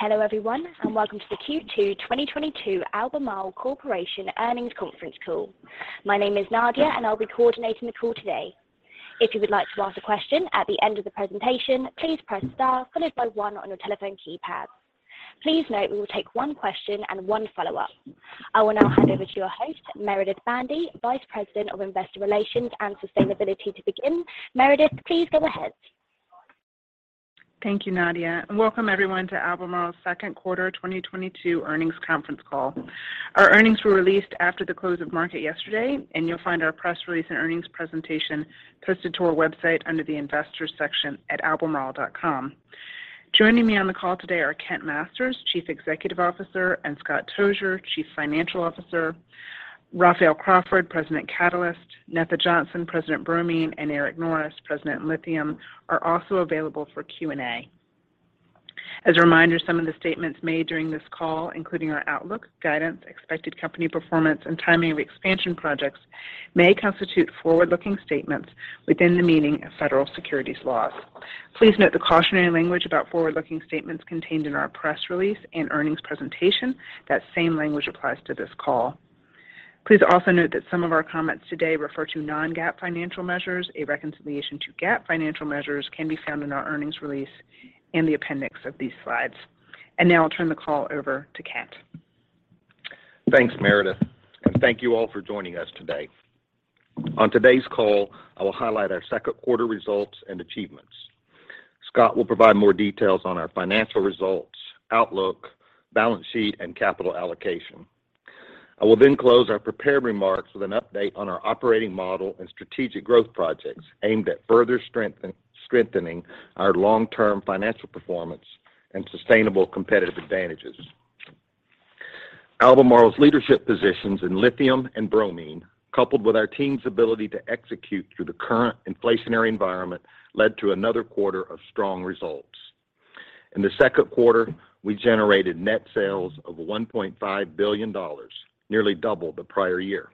Hello, everyone, and welcome to the Q2 2022 Albemarle Corporation Earnings Conference Call. My name is Nadia, and I'll be coordinating the call today. If you would like to ask a question at the end of the presentation, please press star followed by one on your telephone keypad. Please note we will take one question and one follow-up. I will now hand over to your host, Meredith Bandy, Vice President of Investor Relations and Sustainability to begin. Meredith, please go ahead. Thank you, Nadia, and welcome everyone to Albemarle's second quarter 2022 earnings conference call. Our earnings were released after the close of market yesterday, and you'll find our press release and earnings presentation posted to our website under the investors section at albemarle.com. Joining me on the call today are Kent Masters, Chief Executive Officer, and Scott Tozier, Chief Financial Officer. Raphael Crawford, President, Catalysts, Netha Johnson, President, Bromine, and Eric Norris, President, Lithium, are also available for Q&A. As a reminder, some of the statements made during this call, including our outlook, guidance, expected company performance, and timing of expansion projects, may constitute forward-looking statements within the meaning of federal securities laws. Please note the cautionary language about forward-looking statements contained in our press release and earnings presentation. That same language applies to this call. Please also note that some of our comments today refer to non-GAAP financial measures. A reconciliation to GAAP financial measures can be found in our earnings release in the appendix of these slides. Now I'll turn the call over to Kent. Thanks, Meredith, and thank you all for joining us today. On today's call, I will highlight our second quarter results and achievements. Scott will provide more details on our financial results, outlook, balance sheet, and capital allocation. I will then close our prepared remarks with an update on our operating model and strategic growth projects aimed at further strengthening our long-term financial performance and sustainable competitive advantages. Albemarle's leadership positions in Lithium and Bromine, coupled with our team's ability to execute through the current inflationary environment, led to another quarter of strong results. In the second quarter, we generated net sales of $1.5 billion, nearly double the prior year.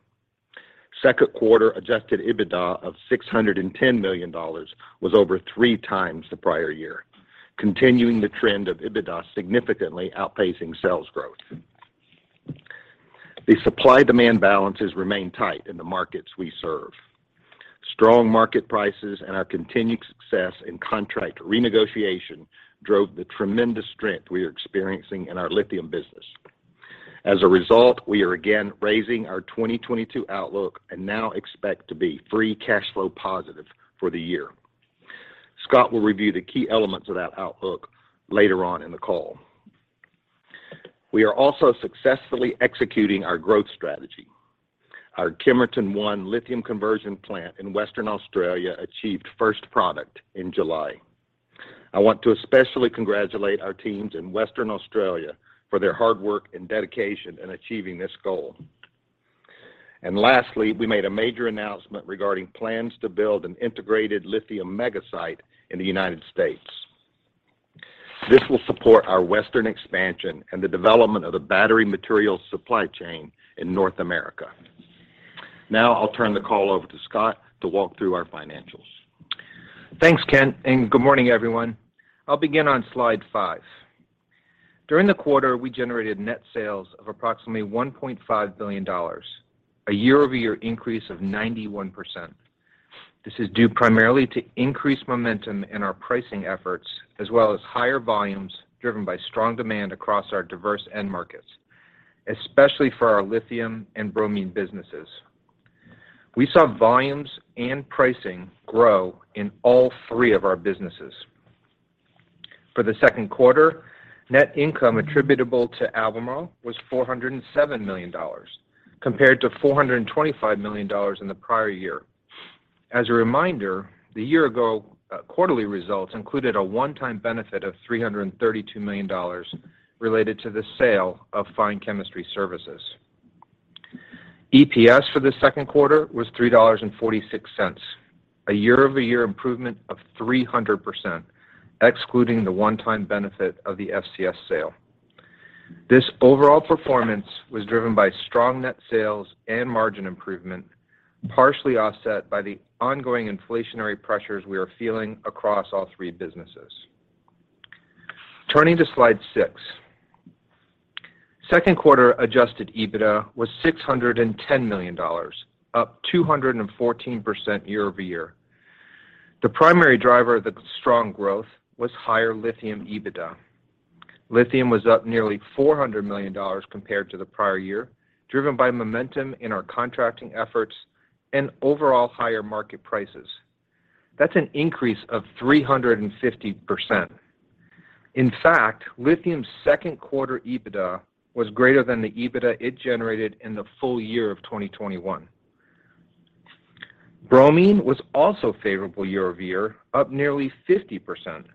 Second quarter adjusted EBITDA of $610 million was over three times the prior year, continuing the trend of EBITDA significantly outpacing sales growth. The supply-demand balances remain tight in the markets we serve. Strong market prices and our continued success in contract renegotiation drove the tremendous strength we are experiencing in our lithium business. As a result, we are again raising our 2022 outlook and now expect to be free cash flow positive for the year. Scott will review the key elements of that outlook later on in the call. We are also successfully executing our growth strategy. Our Kemerton 1 lithium conversion plant in Western Australia achieved first product in July. I want to especially congratulate our teams in Western Australia for their hard work and dedication in achieving this goal. Lastly, we made a major announcement regarding plans to build an integrated lithium mega site in the United States. This will support our western expansion and the development of the battery materials supply chain in North America. Now I'll turn the call over to Scott to walk through our financials. Thanks, Kent, and good morning, everyone. I'll begin on slide five. During the quarter, we generated net sales of approximately $1.5 billion, a year-over-year increase of 91%. This is due primarily to increased momentum in our pricing efforts, as well as higher volumes driven by strong demand across our diverse end markets, especially for our lithium and bromine businesses. We saw volumes and pricing grow in all three of our businesses. For the second quarter, net income attributable to Albemarle was $407 million, compared to $425 million in the prior year. As a reminder, the year-ago quarterly results included a one-time benefit of $332 million related to the sale of Fine Chemistry Services. EPS for the second quarter was $3.46, a year-over-year improvement of 300%, excluding the one-time benefit of the FCS sale. This overall performance was driven by strong net sales and margin improvement, partially offset by the ongoing inflationary pressures we are feeling across all three businesses. Turning to slide 6. Second quarter adjusted EBITDA was $610 million, up 214% year-over-year. The primary driver of the strong growth was higher Lithium EBITDA. Lithium was up nearly $400 million compared to the prior year, driven by momentum in our contracting efforts and overall higher market prices. That's an increase of 350%. In fact, Lithium's second quarter EBITDA was greater than the EBITDA it generated in the full year of 2021. Bromine was also favorable year-over-year, up nearly 50%,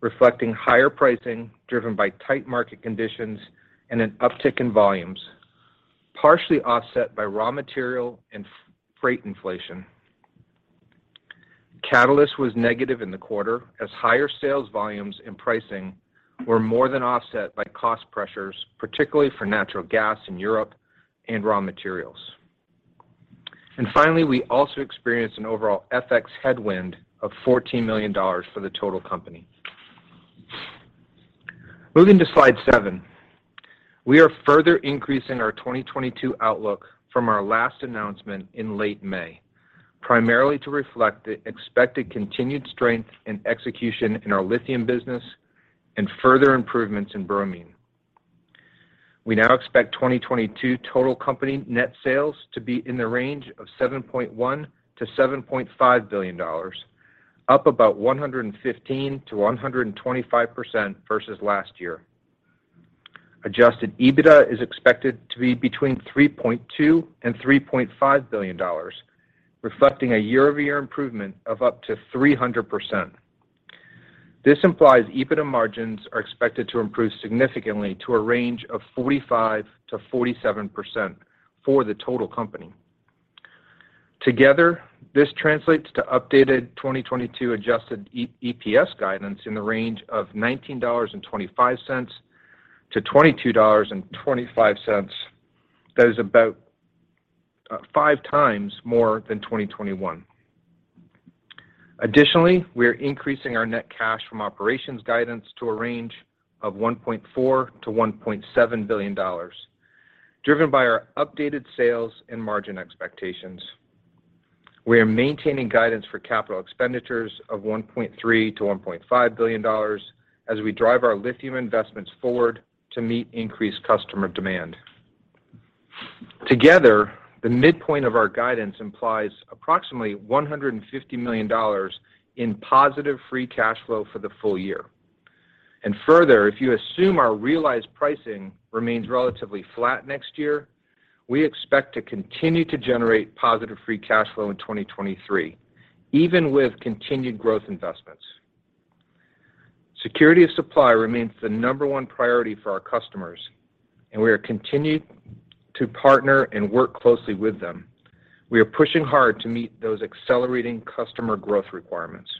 reflecting higher pricing driven by tight market conditions and an uptick in volumes, partially offset by raw material and freight inflation. Catalyst was negative in the quarter as higher sales volumes and pricing were more than offset by cost pressures, particularly for natural gas in Europe and raw materials. Finally, we also experienced an overall FX headwind of $14 million for the total company. Moving to slide seven. We are further increasing our 2022 outlook from our last announcement in late May, primarily to reflect the expected continued strength and execution in our Lithium business and further improvements in Bromine. We now expect 2022 total company net sales to be in the range of $7.1 billion-$7.5 billion, up about 115%-125% versus last year. Adjusted EBITDA is expected to be between $3.2 billion-$3.5 billion, reflecting a year-over-year improvement of up to 300%. This implies EBITDA margins are expected to improve significantly to a range of 45%-47% for the total company. Together, this translates to updated 2022 adjusted EPS guidance in the range of $19.25-$22.25. That is about 5x more than 2021. Additionally, we are increasing our net cash from operations guidance to a range of $1.4 billion-$1.7 billion, driven by our updated sales and margin expectations. We are maintaining guidance for capital expenditures of $1.3 billion-$1.5 billion as we drive our Lithium investments forward to meet increased customer demand. Together, the midpoint of our guidance implies approximately $150 million in positive free cash flow for the full year. Further, if you assume our realized pricing remains relatively flat next year, we expect to continue to generate positive free cash flow in 2023, even with continued growth investments. Security of supply remains the number one priority for our customers, and we continue to partner and work closely with them. We are pushing hard to meet those accelerating customer growth requirements.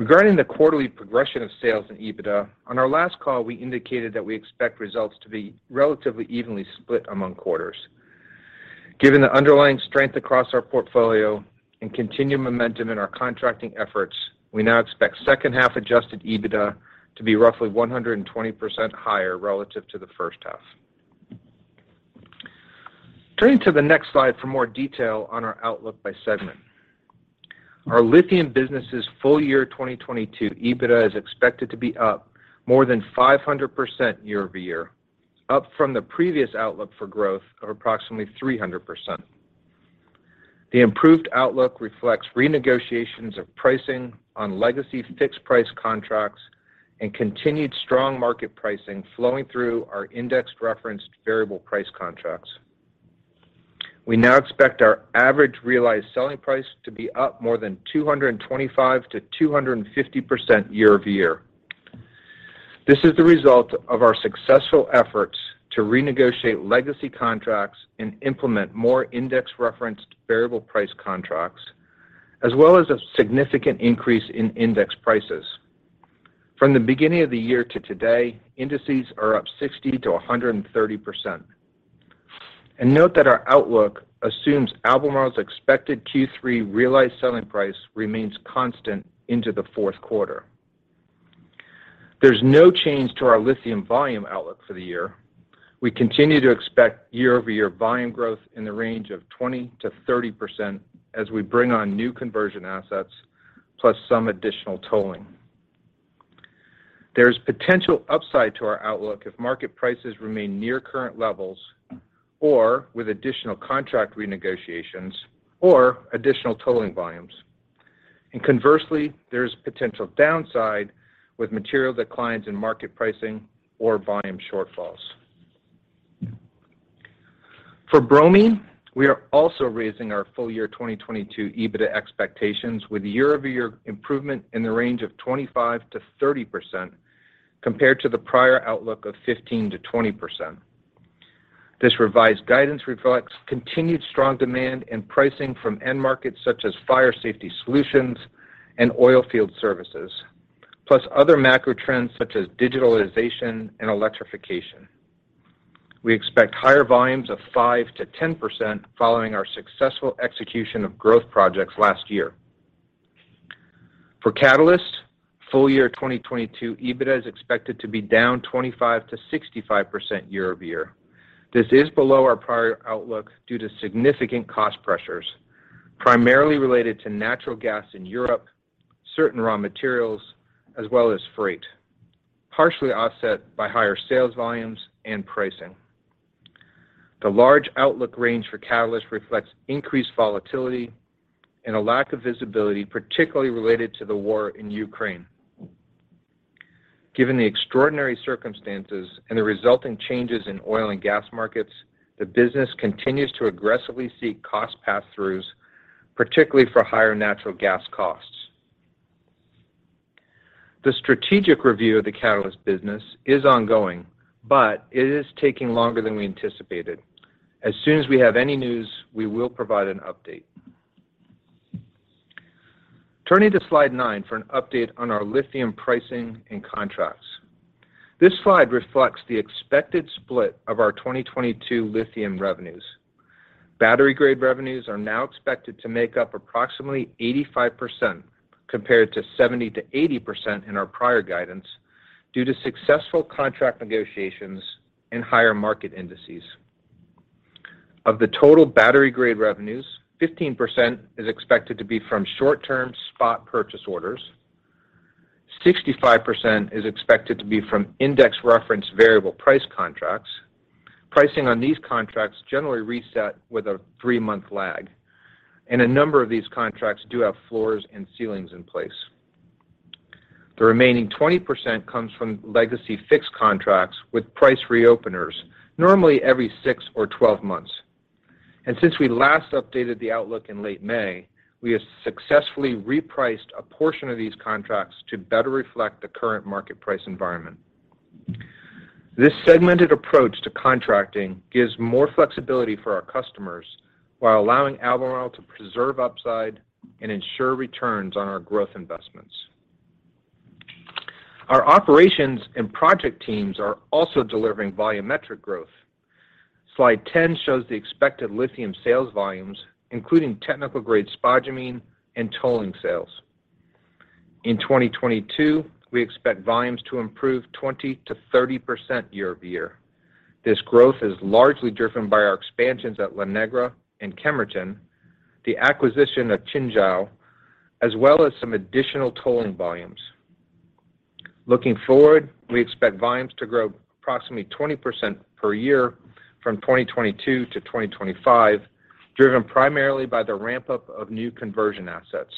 Regarding the quarterly progression of sales and EBITDA, on our last call, we indicated that we expect results to be relatively evenly split among quarters. Given the underlying strength across our portfolio and continued momentum in our contracting efforts, we now expect second half adjusted EBITDA to be roughly 120% higher relative to the first half. Turning to the next slide for more detail on our outlook by segment. Our Lithium business's full year 2022 EBITDA is expected to be up more than 500% year-over-year, up from the previous outlook for growth of approximately 300%. The improved outlook reflects renegotiations of pricing on legacy fixed-price contracts and continued strong market pricing flowing through our indexed referenced variable price contracts. We now expect our average realized selling price to be up more than 225%-250% year-over-year. This is the result of our successful efforts to renegotiate legacy contracts and implement more indexed referenced variable price contracts, as well as a significant increase in index prices. From the beginning of the year to today, indices are up 60%-130%. Note that our outlook assumes Albemarle's expected Q3 realized selling price remains constant into the fourth quarter. There's no change to our Lithium volume outlook for the year. We continue to expect year-over-year volume growth in the range of 20%-30% as we bring on new conversion assets plus some additional tolling. There's potential upside to our outlook if market prices remain near current levels or with additional contract renegotiations or additional tolling volumes. Conversely, there's potential downside with material declines in market pricing or volume shortfalls. For Bromine, we are also raising our full-year 2022 EBITDA expectations with year-over-year improvement in the range of 25%-30% compared to the prior outlook of 15%-20%. This revised guidance reflects continued strong demand and pricing from end markets such as fire safety solutions and oil field services, plus other macro trends such as digitalization and electrification. We expect higher volumes of 5%-10% following our successful execution of growth projects last year. For catalysts, full-year 2022 EBITDA is expected to be down 25%-65% year-over-year. This is below our prior outlook due to significant cost pressures, primarily related to natural gas in Europe, certain raw materials, as well as freight, partially offset by higher sales volumes and pricing. The large outlook range for catalysts reflects increased volatility and a lack of visibility, particularly related to the war in Ukraine. Given the extraordinary circumstances and the resulting changes in oil and gas markets, the business continues to aggressively seek cost passthroughs, particularly for higher natural gas costs. The strategic review of the catalyst business is ongoing, but it is taking longer than we anticipated. As soon as we have any news, we will provide an update. Turning to slide nine for an update on our Lithium pricing and contracts. This slide reflects the expected split of our 2022 Lithium revenues. Battery-grade revenues are now expected to make up approximately 85% compared to 70%-80% in our prior guidance due to successful contract negotiations and higher market indices. Of the total battery-grade revenues, 15% is expected to be from short-term spot purchase orders. 65% is expected to be from index reference variable price contracts. Pricing on these contracts generally reset with a three-month lag, and a number of these contracts do have floors and ceilings in place. The remaining 20% comes from legacy fixed contracts with price reopeners, normally every six or 12 months. Since we last updated the outlook in late May, we have successfully repriced a portion of these contracts to better reflect the current market price environment. This segmented approach to contracting gives more flexibility for our customers while allowing Albemarle to preserve upside and ensure returns on our growth investments. Our operations and project teams are also delivering volumetric growth. Slide 10 shows the expected Lithium sales volumes, including technical grade spodumene and tolling sales. In 2022, we expect volumes to improve 20%-30% year-over-year. This growth is largely driven by our expansions at La Negra and Kemerton, the acquisition of Qinzhou, as well as some additional tolling volumes. Looking forward, we expect volumes to grow approximately 20% per year from 2022 to 2025, driven primarily by the ramp-up of new conversion assets.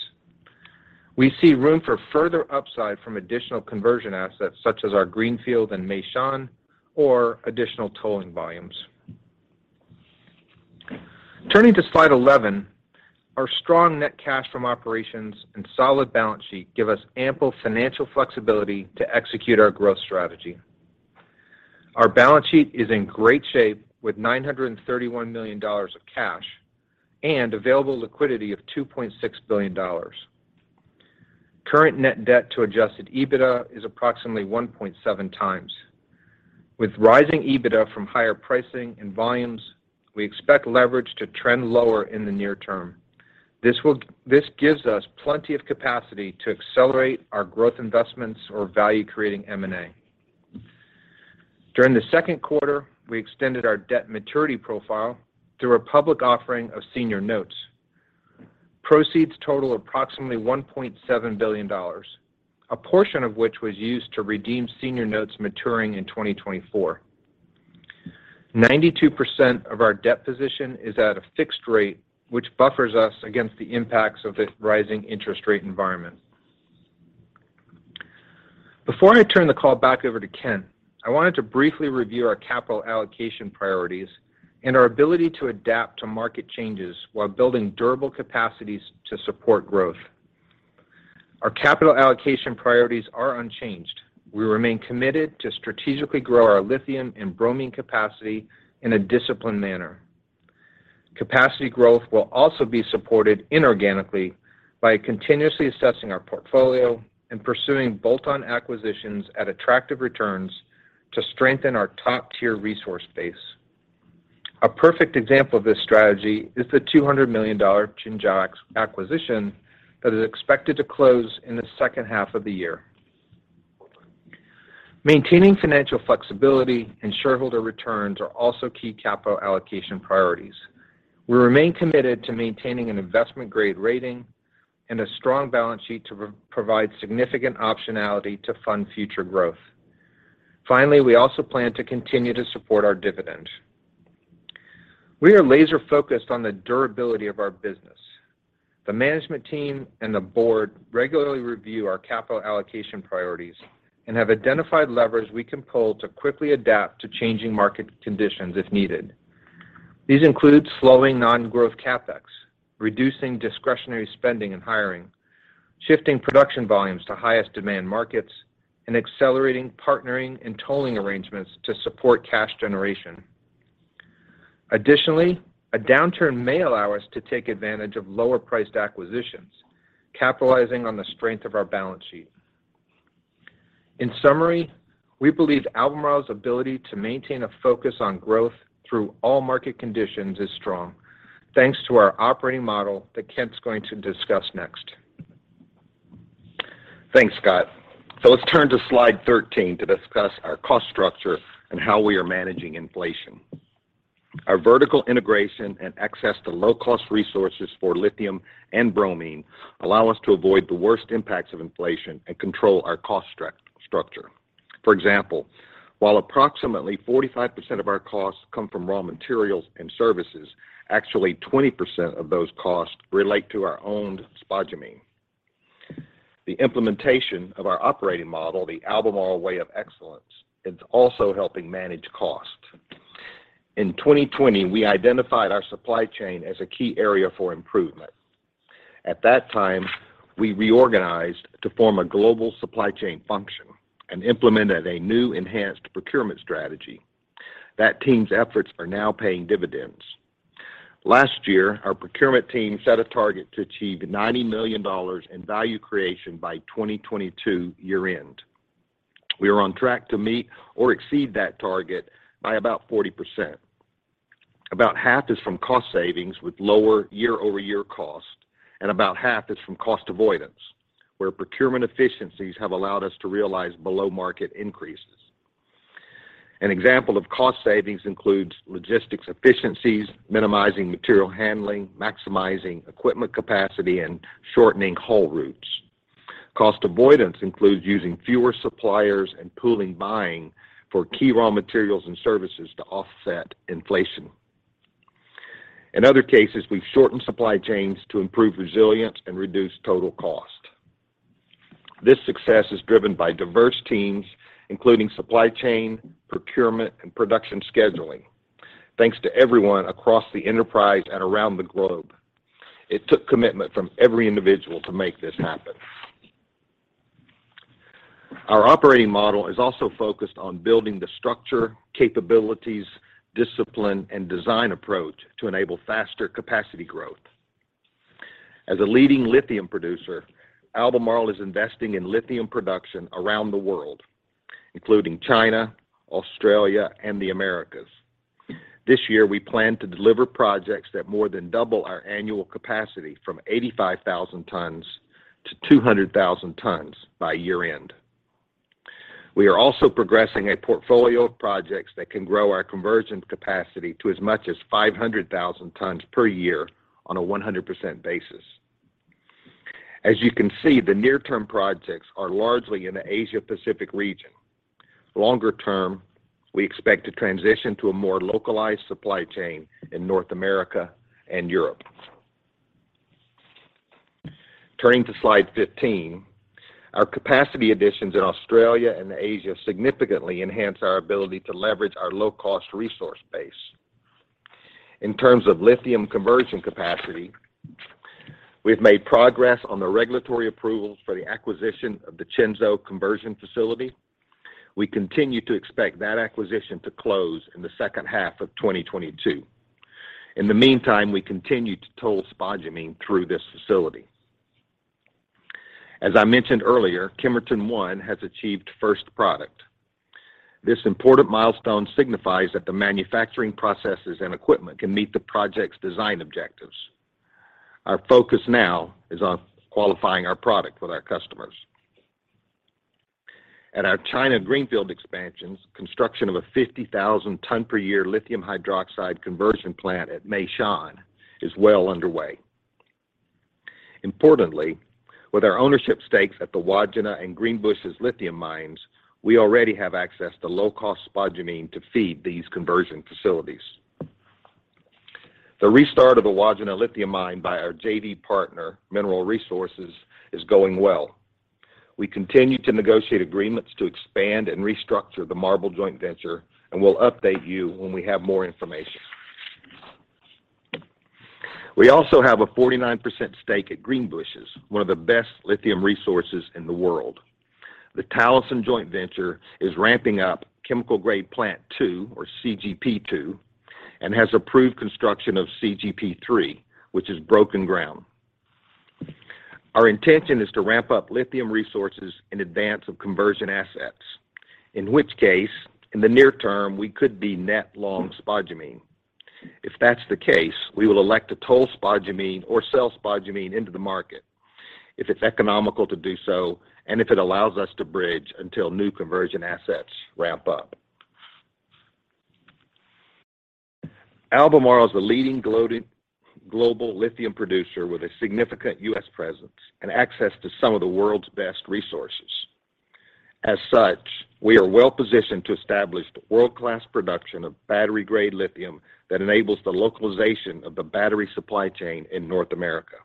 We see room for further upside from additional conversion assets such as our Greenfield and Meishan or additional tolling volumes. Turning to Slide 11, our strong net cash from operations and solid balance sheet give us ample financial flexibility to execute our growth strategy. Our balance sheet is in great shape with $931 million of cash and available liquidity of $2.6 billion. Current net debt to adjusted EBITDA is approximately 1.7x. With rising EBITDA from higher pricing and volumes, we expect leverage to trend lower in the near term. This gives us plenty of capacity to accelerate our growth investments or value creating M&A. During the second quarter, we extended our debt maturity profile through a public offering of senior notes. Proceeds total approximately $1.7 billion, a portion of which was used to redeem senior notes maturing in 2024. 92% of our debt position is at a fixed rate, which buffers us against the impacts of this rising interest rate environment. Before I turn the call back over to Kent, I wanted to briefly review our capital allocation priorities and our ability to adapt to market changes while building durable capacities to support growth. Our capital allocation priorities are unchanged. We remain committed to strategically grow our Lithium and Bromine capacity in a disciplined manner. Capacity growth will also be supported inorganically by continuously assessing our portfolio and pursuing bolt-on acquisitions at attractive returns to strengthen our top-tier resource base. A perfect example of this strategy is the $200 million Qinzhou acquisition that is expected to close in the second half of the year. Maintaining financial flexibility and shareholder returns are also key capital allocation priorities. We remain committed to maintaining an investment-grade rating and a strong balance sheet to provide significant optionality to fund future growth. Finally, we also plan to continue to support our dividend. We are laser-focused on the durability of our business. The management team and the board regularly review our capital allocation priorities and have identified levers we can pull to quickly adapt to changing market conditions if needed. These include slowing non-growth CapEx, reducing discretionary spending and hiring, shifting production volumes to highest demand markets, and accelerating partnering and tolling arrangements to support cash generation. Additionally, a downturn may allow us to take advantage of lower-priced acquisitions, capitalizing on the strength of our balance sheet. In summary, we believe Albemarle's ability to maintain a focus on growth through all market conditions is strong. Thanks to our operating model that Kent's going to discuss next. Thanks, Scott. Let's turn to slide 13 to discuss our cost structure and how we are managing inflation. Our vertical integration and access to low-cost resources for Lithium and Bromine allow us to avoid the worst impacts of inflation and control our cost structure. For example, while approximately 45% of our costs come from raw materials and services, actually 20% of those costs relate to our owned spodumene. The implementation of our operating model, the Albemarle Way of Excellence, is also helping manage costs. In 2020, we identified our supply chain as a key area for improvement. At that time, we reorganized to form a global supply chain function and implemented a new enhanced procurement strategy. That team's efforts are now paying dividends. Last year, our procurement team set a target to achieve $90 million in value creation by 2022 year-end. We are on track to meet or exceed that target by about 40%. About half is from cost savings with lower year-over-year cost, and about half is from cost avoidance, where procurement efficiencies have allowed us to realize below-market increases. An example of cost savings includes logistics efficiencies, minimizing material handling, maximizing equipment capacity, and shortening haul routes. Cost avoidance includes using fewer suppliers and pooling buying for key raw materials and services to offset inflation. In other cases, we've shortened supply chains to improve resilience and reduce total cost. This success is driven by diverse teams, including supply chain, procurement, and production scheduling. Thanks to everyone across the enterprise and around the globe. It took commitment from every individual to make this happen. Our operating model is also focused on building the structure, capabilities, discipline, and design approach to enable faster capacity growth. As a leading lithium producer, Albemarle is investing in lithium production around the world, including China, Australia, and the Americas. This year, we plan to deliver projects that more than double our annual capacity from 85,000 tons to 200,000 tons by year-end. We are also progressing a portfolio of projects that can grow our conversion capacity to as much as 500,000 tons per year on a 100% basis. As you can see, the near-term projects are largely in the Asia-Pacific region. Longer term, we expect to transition to a more localized supply chain in North America and Europe. Turning to slide 15, our capacity additions in Australia and Asia significantly enhance our ability to leverage our low-cost resource base. In terms of lithium conversion capacity, we've made progress on the regulatory approvals for the acquisition of the Qinzhou conversion facility. We continue to expect that acquisition to close in the second half of 2022. In the meantime, we continue to toll spodumene through this facility. As I mentioned earlier, Kemerton I has achieved first product. This important milestone signifies that the manufacturing processes and equipment can meet the project's design objectives. Our focus now is on qualifying our product with our customers. At our China greenfield expansions, construction of a 50,000-ton per year lithium hydroxide conversion plant at Meishan is well underway. Importantly, with our ownership stakes at the Wodgina and Greenbushes lithium mines, we already have access to low-cost spodumene to feed these conversion facilities. The restart of the Wodgina lithium mine by our JV partner, Mineral Resources, is going well. We continue to negotiate agreements to expand and restructure the MARBL joint venture, and we'll update you when we have more information. We also have a 49% stake at Greenbushes, one of the best lithium resources in the world. The Talison joint venture is ramping up chemical-grade Plant 2, or CGP 2, and has approved construction of CGP 3, which has broken ground. Our intention is to ramp up lithium resources in advance of conversion assets, in which case, in the near term, we could be net long spodumene. If that's the case, we will elect to toll spodumene or sell spodumene into the market if it's economical to do so and if it allows us to bridge until new conversion assets ramp up. Albemarle is the leading global lithium producer with a significant U.S. presence and access to some of the world's best resources. As such, we are well-positioned to establish the world-class production of battery-grade lithium that enables the localization of the battery supply chain in North America.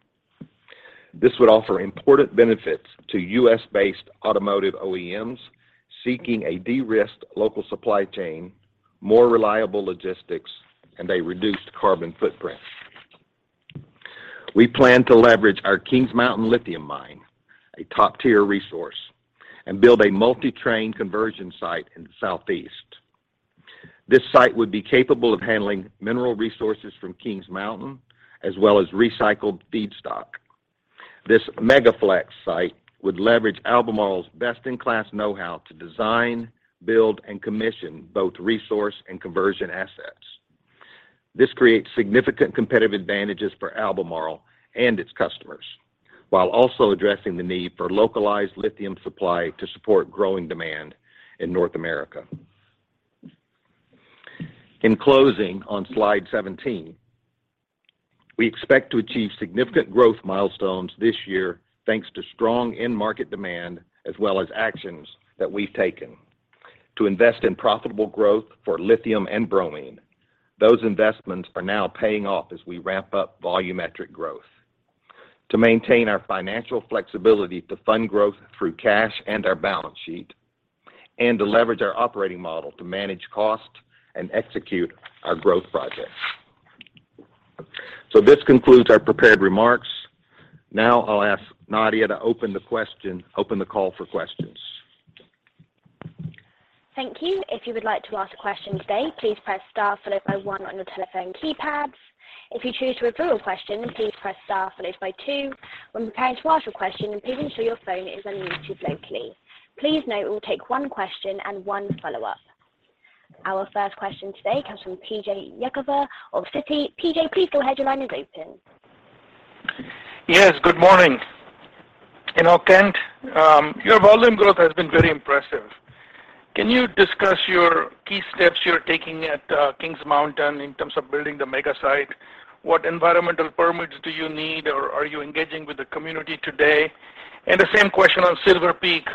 This would offer important benefits to U.S.-based automotive OEMs seeking a de-risked local supply chain, more reliable logistics, and a reduced carbon footprint. We plan to leverage our Kings Mountain lithium mine, a top-tier resource, and build a multi-train conversion site in the Southeast. This site would be capable of handling mineral resources from Kings Mountain, as well as recycled feedstock. This Mega Flex site would leverage Albemarle's best-in-class know-how to design, build, and commission both resource and conversion assets. This creates significant competitive advantages for Albemarle and its customers while also addressing the need for localized lithium supply to support growing demand in North America. In closing, on slide 17, we expect to achieve significant growth milestones this year, thanks to strong end market demand as well as actions that we've taken to invest in profitable growth for Lithium and Bromine. Those investments are now paying off as we ramp up volumetric growth. To maintain our financial flexibility to fund growth through cash and our balance sheet and to leverage our operating model to manage cost and execute our growth projects. This concludes our prepared remarks. Now I'll ask Nadia to open the call for questions. Thank you. If you would like to ask a question today, please press Star followed by one on your telephone keypads. If you choose to withdraw a question, please press Star followed by two. When preparing to ask your question, please ensure your phone is unmuted locally. Please note we'll take one question and one follow-up. Our first question today comes from P.J. Juvekar of Citi. PJ, please go ahead. Your line is open. Yes, good morning. You know, Kent, your volume growth has been very impressive. Can you discuss your key steps you're taking at Kings Mountain in terms of building the mega site? What environmental permits do you need, or are you engaging with the community today? The same question on Silver Peak,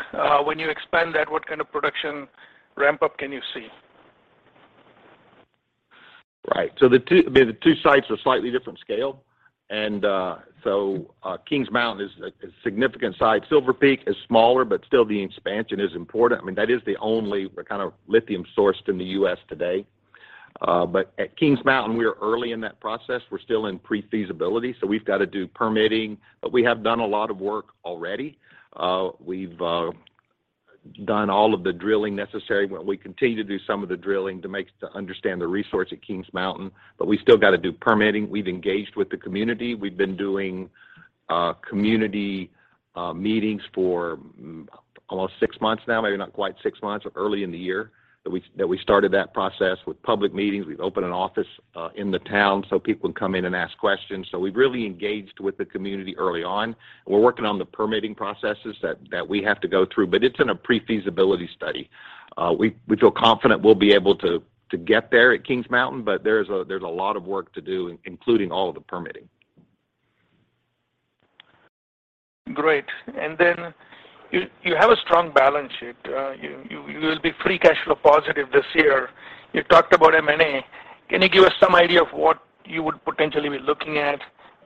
when you expand that, what kind of production ramp-up can you see? The two sites are slightly different scale. Kings Mountain is a significant site. Silver Peak is smaller, but still the expansion is important. I mean, that is the only kind of lithium source in the U.S. today. At Kings Mountain, we are early in that process. We're still in pre-feasibility, so we've got to do permitting. We have done a lot of work already. We've done all of the drilling necessary. We continue to do some of the drilling to understand the resource at Kings Mountain, but we still got to do permitting. We've engaged with the community. We've been doing community meetings for almost six months now, maybe not quite six months, early in the year that we started that process with public meetings. We've opened an office in the town so people can come in and ask questions. We've really engaged with the community early on. We're working on the permitting processes that we have to go through, but it's in a pre-feasibility study. We feel confident we'll be able to get there at Kings Mountain, but there's a lot of work to do, including all of the permitting. Great. You have a strong balance sheet. You will be free cash flow positive this year. You talked about M&A. Can you give us some idea of what you would potentially be looking at?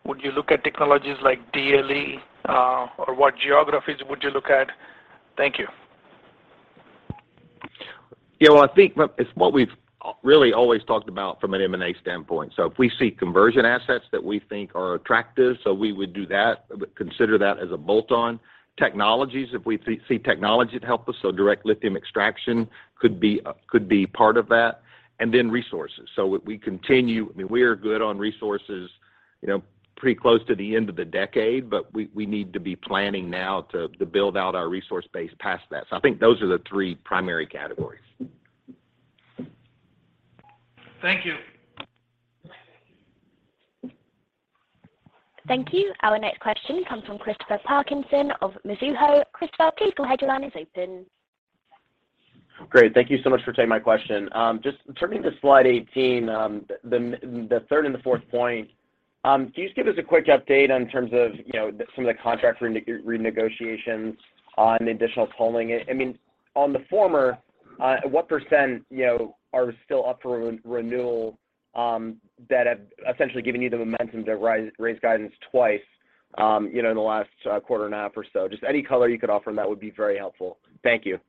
Would you look at technologies like DLE, or what geographies would you look at? Thank you. Yeah, well, I think it's what we've really always talked about from an M&A standpoint. If we see conversion assets that we think are attractive, so we would do that, but consider that as a bolt-on. Technologies, if we see technology to help us, so direct lithium extraction could be part of that. Then resources. We continue. I mean, we are good on resources, you know, pretty close to the end of the decade, but we need to be planning now to build out our resource base past that. I think those are the three primary categories. Thank you. Thank you. Our next question comes from Christopher Parkinson of Mizuho. Christopher, please go ahead. Your line is open. Great. Thank you so much for taking my question. Just turning to slide 18, the third and the fourth point, can you just give us a quick update on terms of, you know, some of the contract renegotiations on additional tolling? I mean, on the former, what percent, you know, are still up for renewal, that have essentially given you the momentum to raise guidance twice, you know, in the last quarter and a half or so? Just any color you could offer on that would be very helpful. Thank you.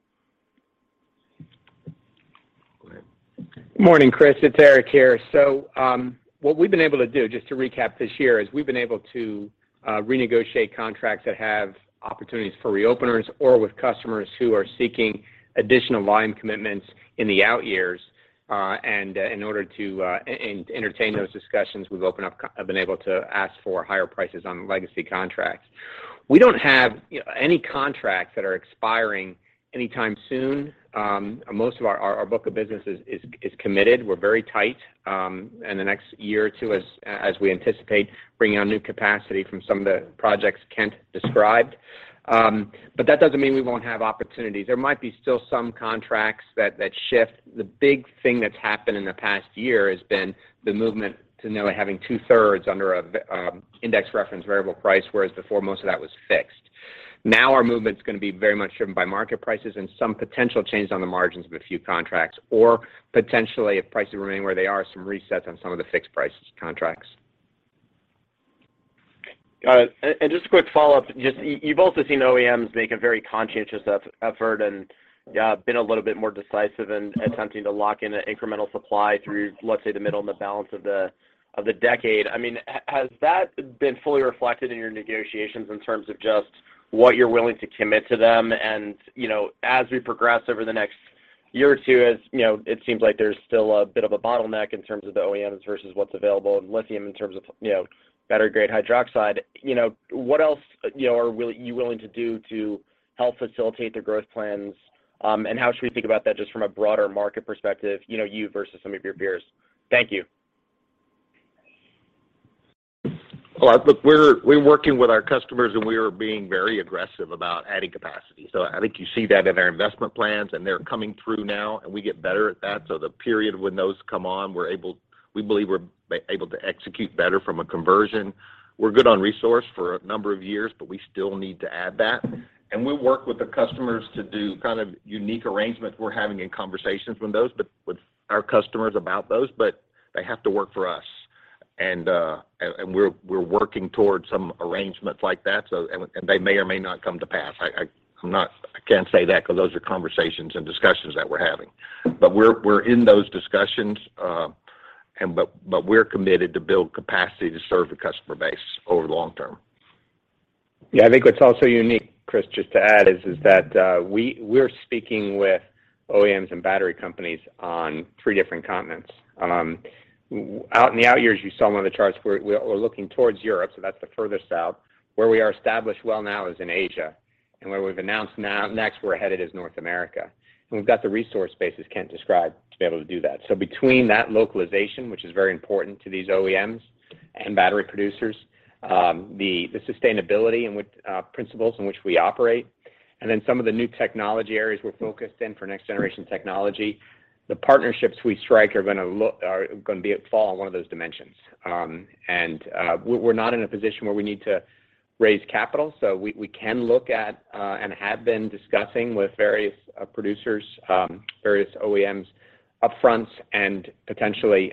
Go ahead. Morning, Chris. It's Eric here. What we've been able to do, just to recap this year, is we've been able to renegotiate contracts that have opportunities for reopeners or with customers who are seeking additional volume commitments in the out years. In order to entertain those discussions, we've been able to ask for higher prices on legacy contracts. We don't have, you know, any contracts that are expiring anytime soon. Most of our book of business is committed. We're very tight in the next year or two as we anticipate bringing on new capacity from some of the projects Kent described. That doesn't mean we won't have opportunities. There might be still some contracts that shift. The big thing that's happened in the past year has been the movement to now having two-thirds under an index reference variable price, whereas before, most of that was fixed. Now our movement's gonna be very much driven by market prices and some potential changes on the margins of a few contracts, or potentially, if prices remain where they are, some resets on some of the fixed price contracts. Got it. Just a quick follow-up. Just you've also seen OEMs make a very conscientious effort and been a little bit more decisive in attempting to lock in an incremental supply through, let's say, the middle and the balance of the decade. I mean, has that been fully reflected in your negotiations in terms of just what you're willing to commit to them? You know, as we progress over the next year or two, you know, it seems like there's still a bit of a bottleneck in terms of the OEMs versus what's available in lithium in terms of, you know, battery-grade hydroxide. You know, what else, you know, are you willing to do to help facilitate their growth plans? How should we think about that just from a broader market perspective, you know, you versus some of your peers? Thank you. Well, look, we're working with our customers, and we are being very aggressive about adding capacity. I think you see that in our investment plans, and they're coming through now, and we get better at that. The period when those come on, we believe we're able to execute better from a conversion. We're good on resource for a number of years, but we still need to add that. We work with the customers to do kind of unique arrangements. We're having conversations with our customers about those, but they have to work for us. We're working towards some arrangements like that, so they may or may not come to pass. I can't say that 'cause those are conversations and discussions that we're having. We're in those discussions, but we're committed to build capacity to serve the customer base over the long term. Yeah. I think what's also unique, Chris, just to add is that we're speaking with OEMs and battery companies on three different continents. Out in the out years, you saw one of the charts where we're looking towards Europe, so that's the furthest south. Where we are established well now is in Asia. Where we've announced next we're headed is North America. We've got the resource base, as Kent described, to be able to do that. Between that localization, which is very important to these OEMs and battery producers, the sustainability principles in which we operate, and then some of the new technology areas we're focused in for next generation technology, the partnerships we strike are gonna fall in one of those dimensions. We're not in a position where we need to raise capital, so we can look at and have been discussing with various producers, various OEMs upfront and potentially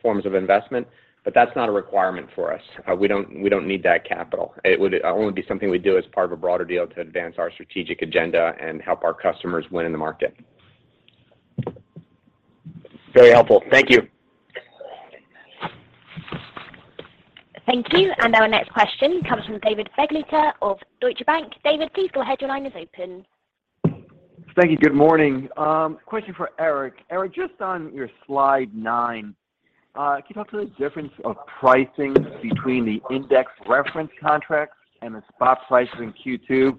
forms of investment, but that's not a requirement for us. We don't need that capital. It would only be something we do as part of a broader deal to advance our strategic agenda and help our customers win in the market. Very helpful. Thank you. Thank you. Our next question comes from David Begleiter of Deutsche Bank. David, please go ahead. Your line is open. Thank you. Good morning. Question for Eric. Eric, just on your slide nine, can you talk through the difference of pricing between the index reference contracts and the spot prices in Q2,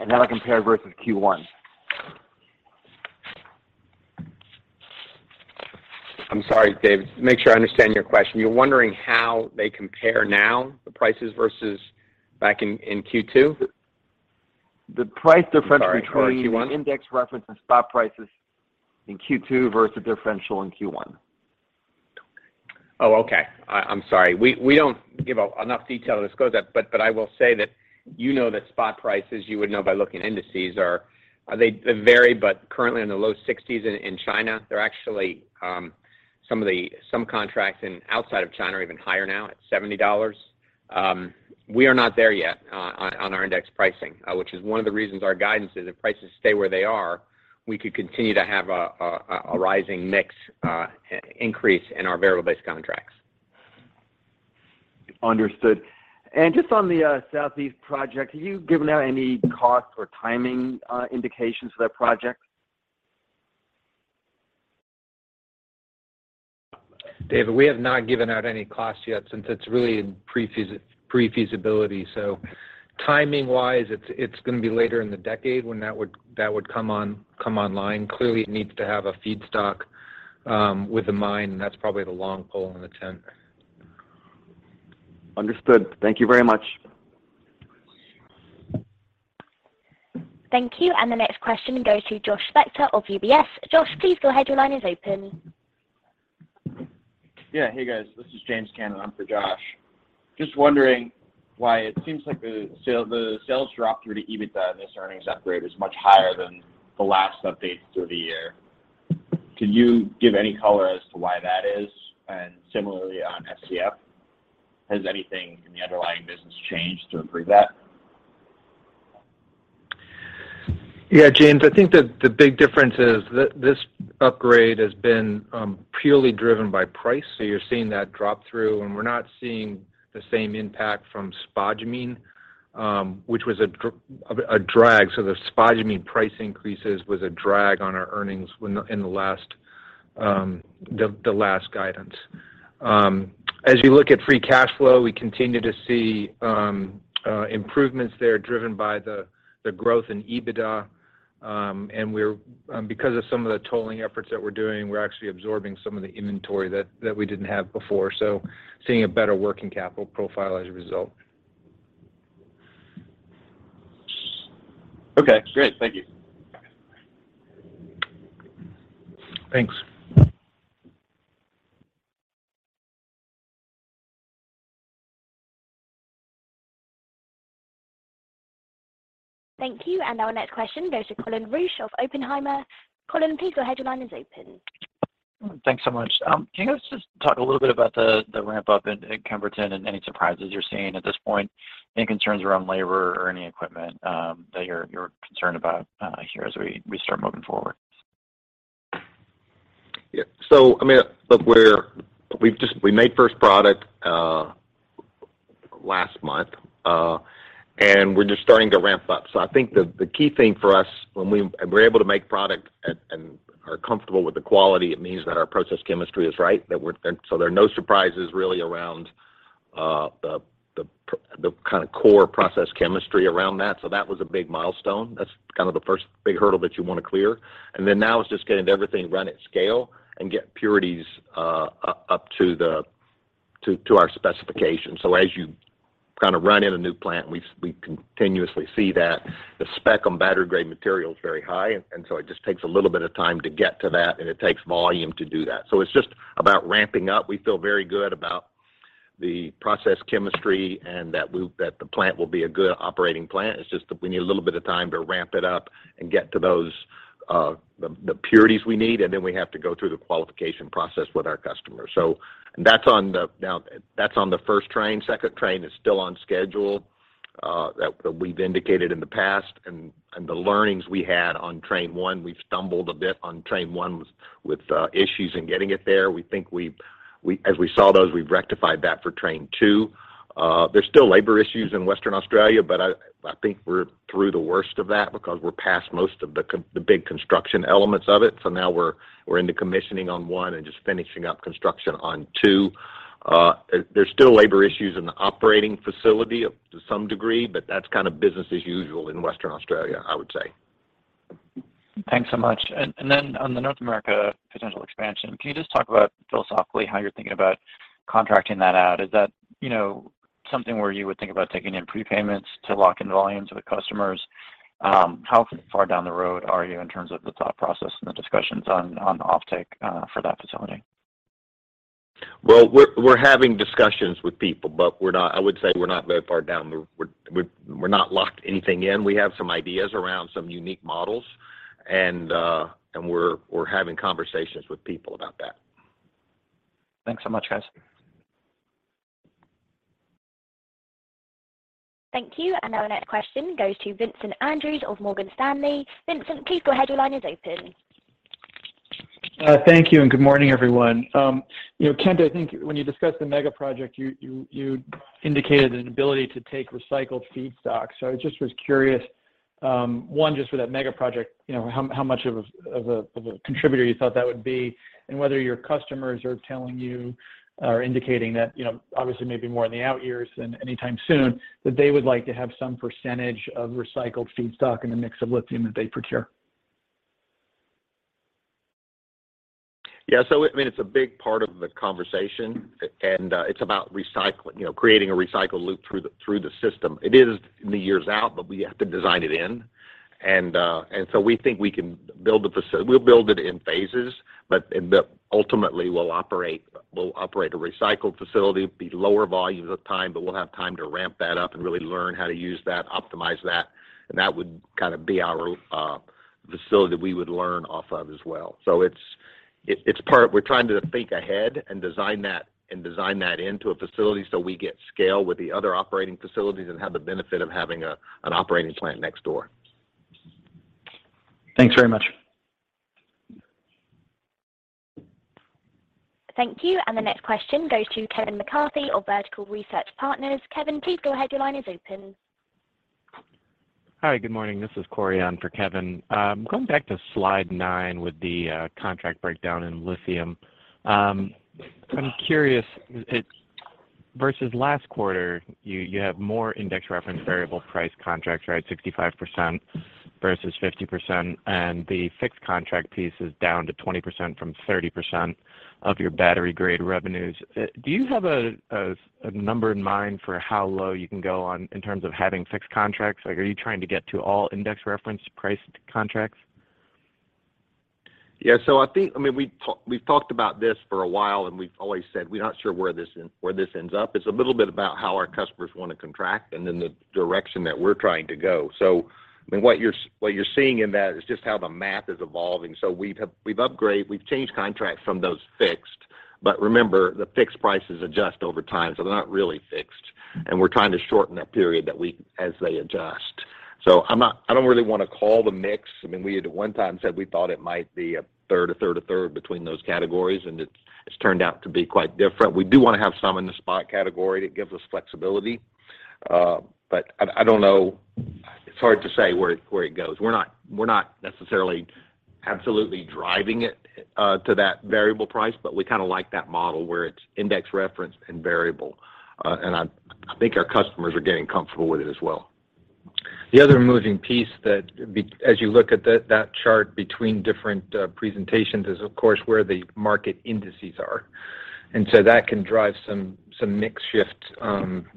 and how that compare versus Q1? I'm sorry, David. Make sure I understand your question. You're wondering how they compare now, the prices versus back in Q2? The price difference between. I'm sorry, or Q1? the index reference and spot prices in Q2 versus differential in Q1. Oh, okay. I'm sorry. We don't give enough detail to disclose that, but I will say that you know that spot prices, you would know by looking at indices are, they vary, but currently in the low 60s in China. They're actually some contracts outside of China are even higher now at $70. We are not there yet on our index pricing, which is one of the reasons our guidance is if prices stay where they are, we could continue to have a rising mix increase in our variable-based contracts. Understood. Just on the Southeast project, have you given out any cost or timing indications for that project? David, we have not given out any costs yet since it's really in pre-feasibility. Timing-wise, it's gonna be later in the decade when that would come online. Clearly, it needs to have a feedstock with a mine, and that's probably the long pole in the tent. Understood. Thank you very much. Thank you. The next question goes to Josh Spector of UBS. Josh, please go ahead. Your line is open. Yeah. Hey, guys. This is James Cannon on for Josh. Just wondering why it seems like the sales drop through the EBITDA in this earnings upgrade is much higher than the last update through the year. Could you give any color as to why that is? And similarly on FCS, has anything in the underlying business changed to improve that? Yeah, James. I think the big difference is this upgrade has been purely driven by price. You're seeing that drop through, and we're not seeing the same impact from spodumene, which was a drag. The spodumene price increases was a drag on our earnings in the last guidance. As you look at free cash flow, we continue to see improvements there driven by the growth in EBITDA. Because of some of the tolling efforts that we're doing, we're actually absorbing some of the inventory that we didn't have before. Seeing a better working capital profile as a result. Okay, great. Thank you. Thanks. Thank you. Our next question goes to Colin Rusch of Oppenheimer. Colin, please go ahead. Your line is open. Thanks so much. Can you guys just talk a little bit about the ramp-up at Kemerton and any surprises you're seeing at this point? Any concerns around labor or any equipment that you're concerned about here as we start moving forward? Yeah. I mean, look, we've just made first product last month, and we're just starting to ramp up. I think the key thing for us if we're able to make product at, and are comfortable with the quality, it means that our process chemistry is right, and so there are no surprises really around the kinda core process chemistry around that. That was a big milestone. That's kind of the first big hurdle that you wanna clear. Then now it's just getting everything run at scale and get purities up to our specifications. As you kinda run in a new plant, we continuously see that the spec on battery-grade material is very high, and so it just takes a little bit of time to get to that, and it takes volume to do that. It's just about ramping up. We feel very good about the process chemistry and that the plant will be a good operating plant. It's just that we need a little bit of time to ramp it up and get to those purities we need, and then we have to go through the qualification process with our customers. That's on the first train. Second train is still on schedule. That we've indicated in the past and the learnings we had on train one, we've stumbled a bit on train one with issues in getting it there. We think as we saw those, we've rectified that for train two. There's still labor issues in Western Australia, but I think we're through the worst of that because we're past most of the big construction elements of it. Now we're into commissioning on one and just finishing up construction on two. There's still labor issues in the operating facility, to some degree, but that's kind of business as usual in Western Australia, I would say. Thanks so much. On the North America potential expansion, can you just talk about philosophically how you're thinking about contracting that out? Is that, you know, something where you would think about taking in prepayments to lock in volumes with customers? How far down the road are you in terms of the thought process and the discussions on offtake for that facility? Well, we're having discussions with people, but we're not locked anything in. We have some ideas around some unique models and we're having conversations with people about that. Thanks so much, guys. Thank you. Our next question goes to Vincent Andrews of Morgan Stanley. Vincent, please go ahead. Your line is open. Thank you, and good morning, everyone. You know, Kent, I think when you discussed the mega project, you indicated an ability to take recycled feedstock. I just was curious, one, just for that mega project, you know, how much of a contributor you thought that would be, and whether your customers are telling you or indicating that, you know, obviously maybe more in the out years than anytime soon, that they would like to have some percentage of recycled feedstock in the mix of lithium that they procure. I mean, it's a big part of the conversation, and it's about recycling, you know, creating a recycling loop through the system. It is years out, but we have to design it in. We think we can build it. We'll build it in phases, but ultimately we'll operate a recycling facility at lower volumes at the time, but we'll have time to ramp that up and really learn how to use that, optimize that. That would kind of be our facility that we would learn off of as well. It's part. We're trying to think ahead and design that into a facility so we get scale with the other operating facilities and have the benefit of having an operating plant next door. Thanks very much. Thank you. The next question goes to Kevin McCarthy of Vertical Research Partners. Kevin, please go ahead. Your line is open. Hi, good morning. This is Corey on for Kevin. Going back to slide nine with the contract breakdown in Lithium. I'm curious, versus last quarter, you have more index reference variable price contracts, right? 65% versus 50%, and the fixed contract piece is down to 20% from 30% of your battery-grade revenues. Do you have a number in mind for how low you can go on in terms of having fixed contracts? Like, are you trying to get to all index reference priced contracts? Yeah. I think. I mean, we've talked about this for a while and we've always said we're not sure where this ends up. It's a little bit about how our customers wanna contract and then the direction that we're trying to go. I mean, what you're seeing in that is just how the math is evolving. We've upgraded, we've changed contracts from those fixed. Remember, the fixed prices adjust over time, so they're not really fixed. We're trying to shorten that period as they adjust. I don't really wanna call the mix. I mean, we at one time said we thought it might be a third, a third, a third between those categories, and it's turned out to be quite different. We do wanna have some in the spot category that gives us flexibility. I don't know. It's hard to say where it goes. We're not necessarily absolutely driving it to that variable price, but we kinda like that model where it's index reference and variable. I think our customers are getting comfortable with it as well. The other moving piece as you look at that chart between different presentations is of course where the market indices are. That can drive some mix shifts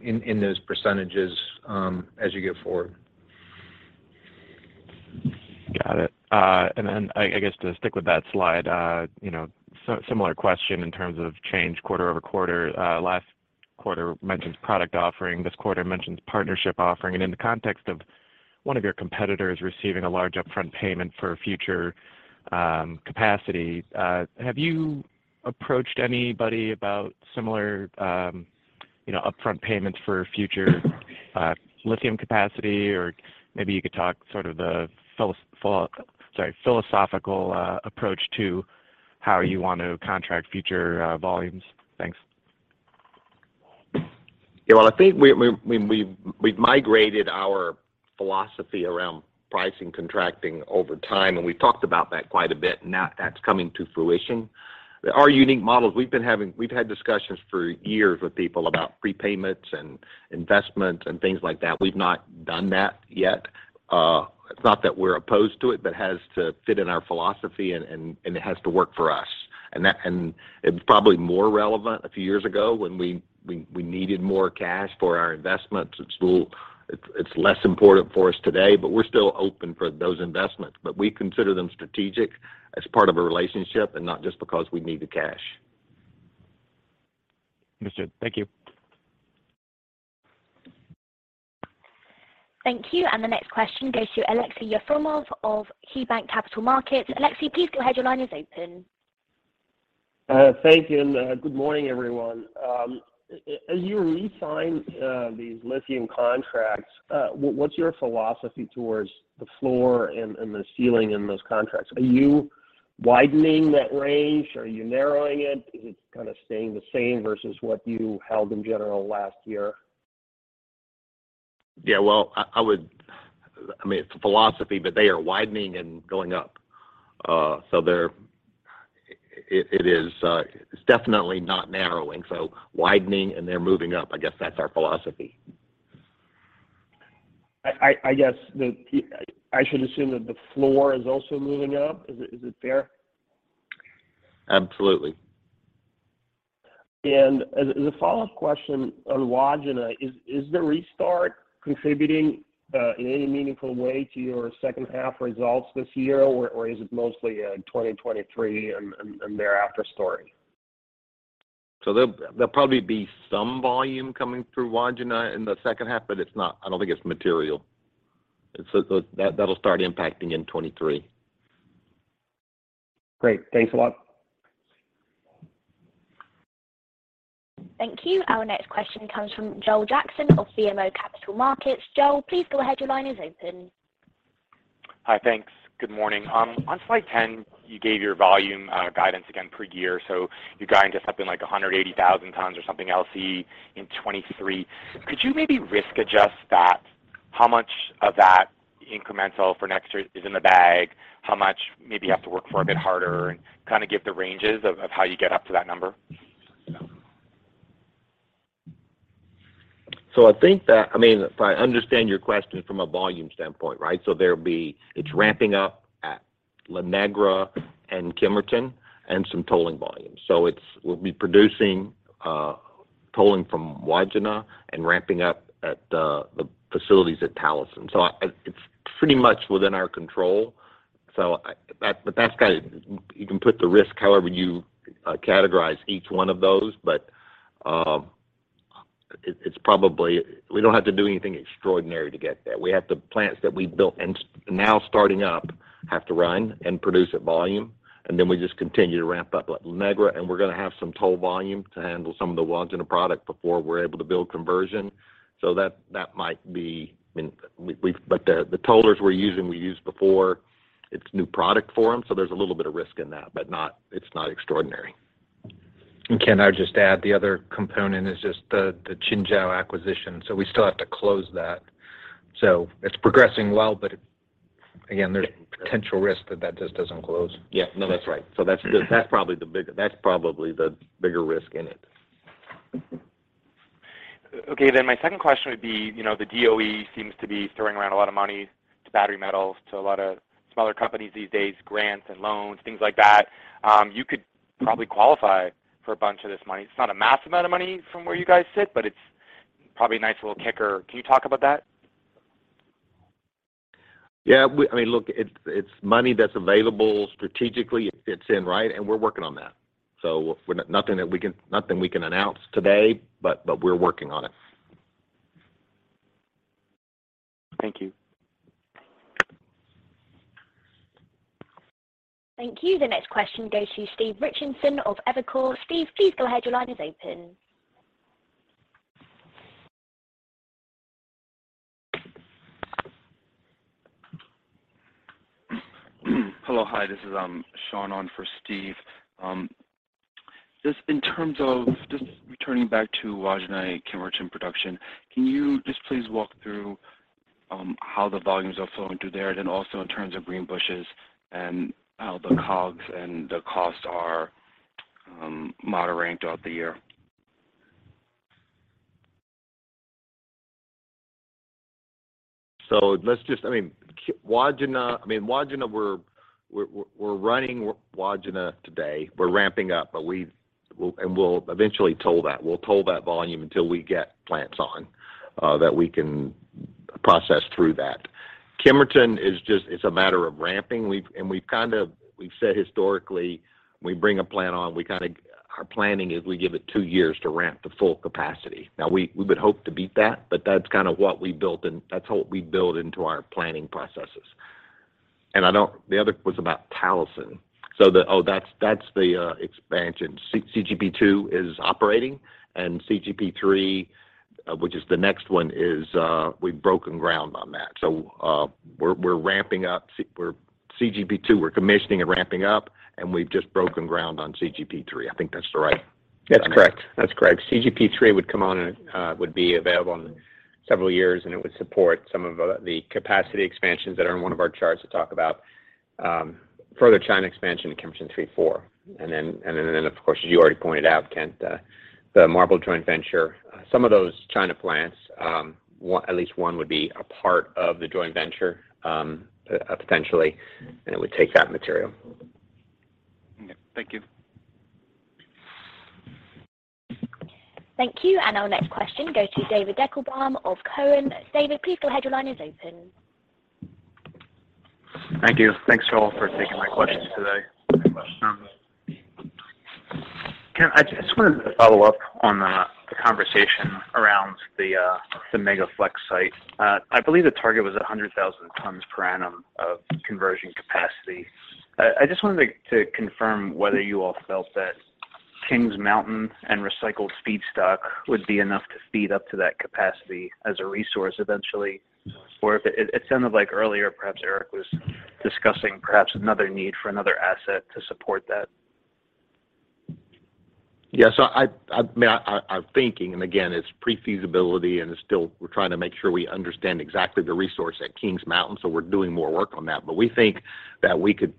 in those percentages as you go forward. Got it. I guess to stick with that slide, you know, similar question in terms of change quarter-over-quarter. Last quarter mentions product offering. This quarter mentions partnership offering. In the context of one of your competitors receiving a large upfront payment for future capacity, have you approached anybody about similar upfront payments for future Lithium capacity? Or maybe you could talk sort of the philosophical approach to how you want to contract future volumes. Thanks. Yeah. Well, I think we've migrated our philosophy around pricing, contracting over time, and we've talked about that quite a bit, and now that's coming to fruition. Our unique models, we've had discussions for years with people about prepayments and investments and things like that. We've not done that yet. It's not that we're opposed to it, but it has to fit in our philosophy and it has to work for us. It's probably more relevant a few years ago when we needed more cash for our investments. It's less important for us today, but we're still open for those investments. We consider them strategic as part of a relationship and not just because we need the cash. Understood. Thank you. Thank you. The next question goes to Aleksey Yefremov of KeyBanc Capital Markets. Aleksey, please go ahead. Your line is open. Thank you, and good morning everyone. As you re-sign these Lithium contracts, what's your philosophy towards the floor and the ceiling in those contracts? Are you widening that range? Are you narrowing it? Is it kind of staying the same versus what you held in general last year? Yeah. Well, I would. I mean, it's a philosophy, but they are widening and going up. It is. It's definitely not narrowing, so widening, and they're moving up. I guess that's our philosophy. I guess I should assume that the floor is also moving up. Is it fair? Absolutely. As a follow-up question on Wodgina, is the restart contributing in any meaningful way to your second half results this year, or is it mostly a 2023 and thereafter story? There'll probably be some volume coming through Wodgina in the second half, but it's not. I don't think it's material. That'll start impacting in 2023. Great. Thanks a lot. Thank you. Our next question comes from Joel Jackson of BMO Capital Markets. Joel, please go ahead. Your line is open. Hi. Thanks. Good morning. Good morning. On slide ten, you gave your volume guidance again per year. You're guiding to something like 180,000 tons or something LCE in 2023. Could you maybe risk adjust that? How much of that incremental for next year is in the bag? How much maybe you have to work for a bit harder and kind of give the ranges of how you get up to that number? I think that. I mean, if I understand your question from a volume standpoint, right? There'll be. It's ramping up at La Negra and Kemerton and some tolling volumes. It's. We'll be producing tolling from Wodgina and ramping up at the facilities at Talison. It's pretty much within our control. That's. You can put the risk however you categorize each one of those. It's probably. We don't have to do anything extraordinary to get there. We have the plants that we built and now starting up, have to run and produce at volume. Then we just continue to ramp up at La Negra, and we're gonna have some toll volume to handle some of the Wodgina product before we're able to build conversion. That might be. I mean, the tollers we're using we used before. It's new product for them, so there's a little bit of risk in that, but it's not extraordinary. Can I just add, the other component is just the Qinzhou acquisition. We still have to close that. It's progressing well, but again, there's potential risk that just doesn't close. Yeah. No, that's right. That's probably the bigger risk in it. Okay, my second question would be, you know, the DOE seems to be throwing around a lot of money to battery metals, to a lot of smaller companies these days, grants and loans, things like that. You could probably qualify for a bunch of this money. It's not a massive amount of money from where you guys sit, but it's probably a nice little kicker. Can you talk about that? Yeah. I mean, look, it's money that's available strategically. It fits in, right? We're working on that. Nothing we can announce today, but we're working on it. Thank you. Thank you. The next question goes to Stephen Richardson of Evercore. Steve, please go ahead. Your line is open. Hello. Hi. This is Sean on for Steve. Just in terms of just returning back to Wodgina Kemerton production, can you just please walk through how the volumes are flowing through there? In terms of Greenbushes and how the COGS and the costs are moderating throughout the year. Let's just, I mean, Wodgina. We're running Wodgina today. We're ramping up, but we'll eventually toll that. We'll toll that volume until we get plants on that we can process through that. Kemerton is just a matter of ramping. We've kind of said historically, we bring a plant on. Our planning is we give it two years to ramp to full capacity. Now, we would hope to beat that, but that's kinda what we built in. That's what we build into our planning processes. The other was about Talison. That's the expansion. CGP 2 is operating, and CGP 3, which is the next one, we've broken ground on that. We're ramping up CGP 2, we're commissioning and ramping up, and we've just broken ground on CGP 3. I think that's the right- That's correct. CGP 3 would come on and would be available in several years, and it would support some of the capacity expansions that are in one of our charts to talk about further China expansion in Kemerton 3, 4. Of course, as you already pointed out, Kent, the MARBL joint venture. Some of those China plants, at least one would be a part of the joint venture, potentially, and it would take that material. Okay. Thank you. Thank you. Our next question goes to David Deckelbaum of Cowen. David, please go ahead. Your line is open. Thank you. Thanks, Joel, for taking my questions today. Kent, I just wanted to follow up on the conversation around the Mega-Flex site. I believe the target was a hundred thousand tons per annum of conversion capacity. I just wanted to confirm whether you all felt that Kings Mountain and recycled feedstock would be enough to feed up to that capacity as a resource eventually, or if it sounded like earlier perhaps Eric was discussing another need for another asset to support that. Yeah. I mean, I'm thinking, and again, it's pre-feasibility and it's still we're trying to make sure we understand exactly the resource at Kings Mountain, so we're doing more work on that. We think that we could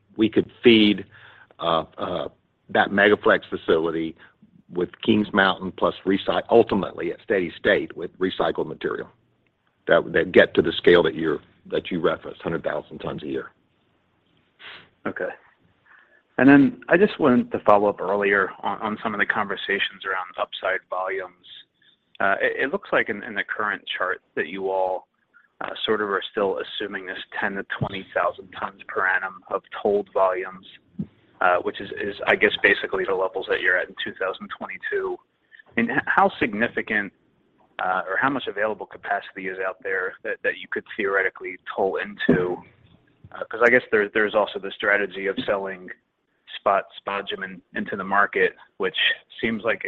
feed that Mega-Flex facility with Kings Mountain plus ultimately at steady state with recycled material that'd get to the scale that you referenced, 100,000 tons a year. Okay. I just wanted to follow up earlier on some of the conversations around upside volumes. It looks like in the current chart that you all sort of are still assuming this 10,000-20,000 tons per annum of tolled volumes, which is I guess basically the levels that you're at in 2022. How significant or how much available capacity is out there that you could theoretically toll into? 'Cause I guess there's also the strategy of selling spot spodumene into the market, which seems like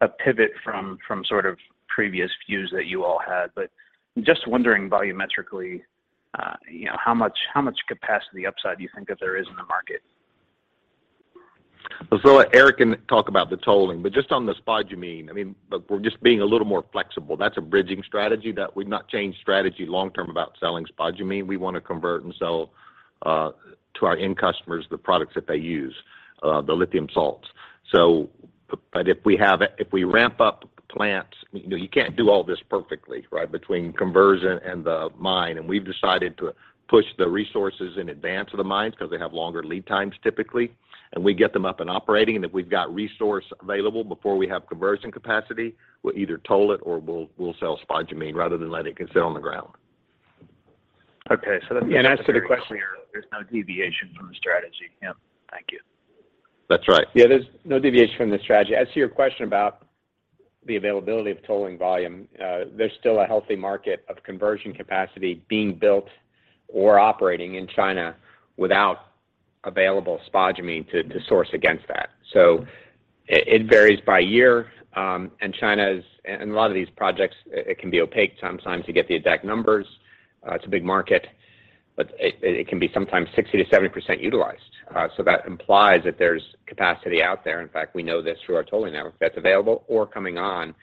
a pivot from sort of previous views that you all had. I'm just wondering volumetrically, you know, how much capacity upside you think that there is in the market? Eric can talk about the tolling, but just on the spodumene, I mean, look, we're just being a little more flexible. That's a bridging strategy. That we've not changed strategy long term about selling spodumene. We want to convert and sell to our end customers the products that they use the lithium salts. But if we ramp up plants. You know, you can't do all this perfectly, right, between conversion and the mine, and we've decided to push the resources in advance of the mines because they have longer lead times typically. We get them up and operating, and if we've got resource available before we have conversion capacity, we'll either toll it or we'll sell spodumene rather than let it sit on the ground. Okay. Yeah. As to the question. Very clear. There's no deviation from the strategy. Yeah. Thank you. That's right. Yeah. There's no deviation from the strategy. As to your question about the availability of tolling volume, there's still a healthy market of conversion capacity being built or operating in China without available spodumene to source against that. It varies by year, and a lot of these projects, it can be opaque sometimes to get the exact numbers. It's a big market, but it can be sometimes 60%-70% utilized. That implies that there's capacity out there. In fact, we know this through our tolling network that's available or coming on,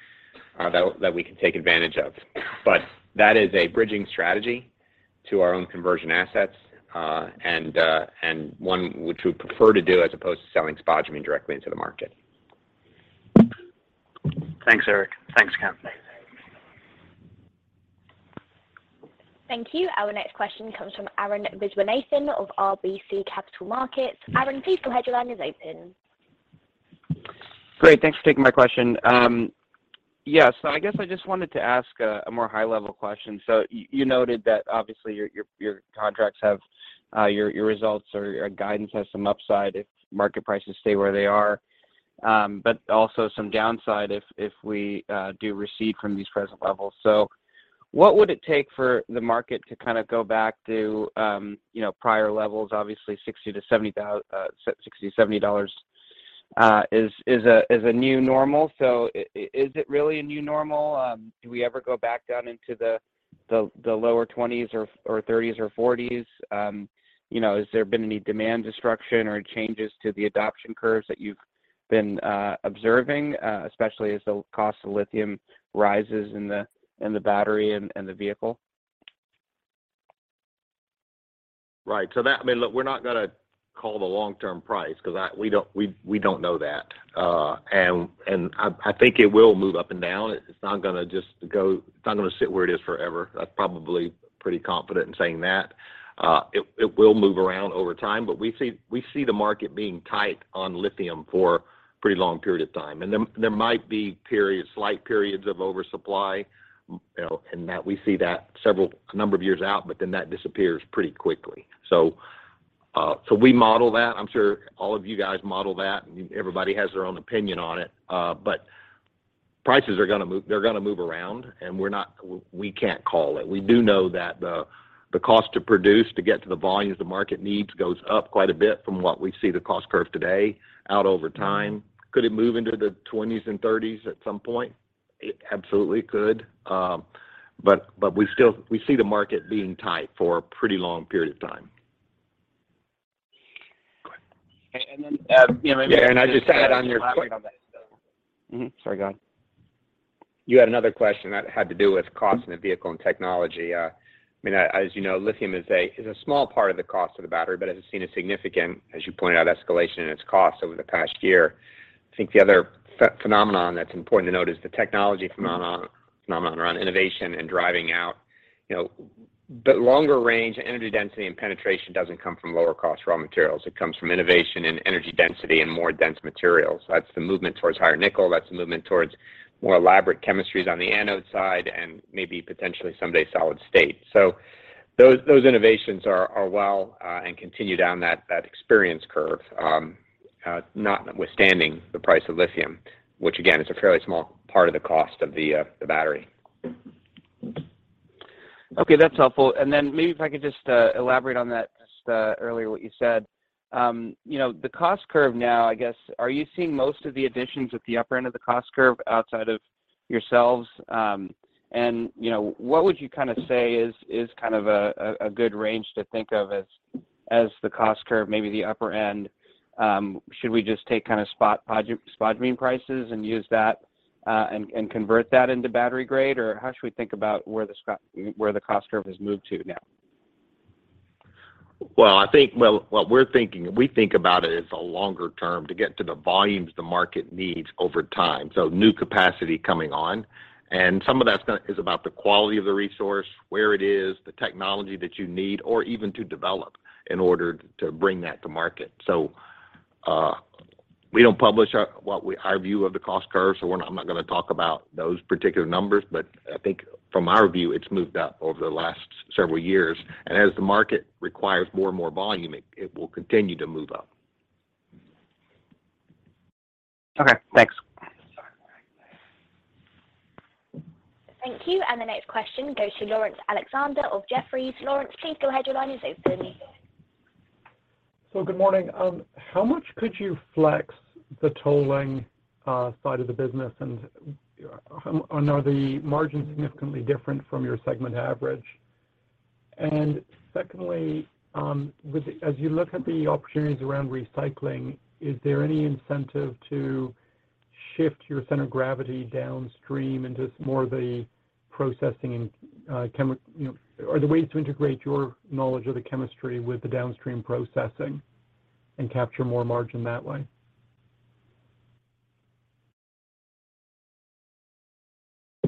that we can take advantage of. That is a bridging strategy to our own conversion assets, and one which we prefer to do as opposed to selling spodumene directly into the market. Thanks, Eric. Thanks, Kent. Thank you. Our next question comes from Arun Viswanathan of RBC Capital Markets. Arun, please. Your line is open. Great. Thanks for taking my question. Yeah. I guess I just wanted to ask a more high-level question. You noted that obviously your contracts have your results or your guidance has some upside if market prices stay where they are, but also some downside if we do recede from these present levels. What would it take for the market to kind of go back to you know prior levels? Obviously $60-$70 is a new normal. Is it really a new normal? Do we ever go back down into the lower 20s or 30s or 40s? You know, has there been any demand destruction or changes to the adoption curves that you've been observing, especially as the cost of lithium rises in the battery and the vehicle? Right. I mean, look, we're not gonna call the long-term price because we don't know that. I think it will move up and down. It's not gonna just sit where it is forever. That's probably pretty confident in saying that. It will move around over time. We see the market being tight on lithium for a pretty long period of time. Then there might be periods, slight periods of oversupply, you know, and that we see that several, a number of years out, but then that disappears pretty quickly. We model that. I'm sure all of you guys model that, and everybody has their own opinion on it. Prices are gonna move. They're gonna move around, and we can't call it. We do know that the cost to produce to get to the volumes the market needs goes up quite a bit from what we see the cost curve today out over time. Could it move into the 20s and 30s at some point? It absolutely could. We still see the market being tight for a pretty long period of time. And then, um, you know, maybe- Yeah. I just had on your queue. Elaborate on that as well. Sorry, go ahead. You had another question that had to do with cost in the vehicle and technology. I mean, as you know, lithium is a small part of the cost of the battery, but has seen a significant, as you pointed out, escalation in its cost over the past year. I think the other phenomenon that's important to note is the technology phenomenon around innovation and driving out, you know. Longer range, energy density, and penetration doesn't come from lower cost raw materials. It comes from innovation and energy density and more dense materials. That's the movement towards higher nickel. That's the movement towards more elaborate chemistries on the anode side and maybe potentially someday solid state. Those innovations are well and continue down that experience curve, notwithstanding the price of lithium, which again, is a fairly small part of the cost of the battery. Okay, that's helpful. Maybe if I could just elaborate on that earlier what you said. You know, the cost curve now, I guess, are you seeing most of the additions at the upper end of the cost curve outside of yourselves? You know, what would you kinda say is kind of a good range to think of as the cost curve, maybe the upper end? Should we just take kinda spot spodumene prices and use that, and convert that into battery grade? Or how should we think about where the cost curve has moved to now? Well, what we're thinking, we think about it as a longer term to get to the volumes the market needs over time, so new capacity coming on. Some of that is about the quality of the resource, where it is, the technology that you need, or even to develop in order to bring that to market. We don't publish our view of the cost curve, so I'm not gonna talk about those particular numbers. I think from our view, it's moved up over the last several years, and as the market requires more and more volume, it will continue to move up. Okay, thanks. Thank you. The next question goes to Laurence Alexander of Jefferies. Laurence, please go ahead. Your line is open. Good morning. How much could you flex the tolling side of the business and are the margins significantly different from your segment average? Secondly, as you look at the opportunities around recycling, is there any incentive to shift your center of gravity downstream into some more of the processing and you know, are there ways to integrate your knowledge of the chemistry with the downstream processing and capture more margin that way?